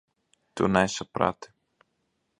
Tu nesaprati.